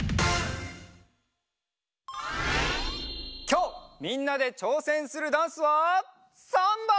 きょうみんなでちょうせんするダンスはサンバ！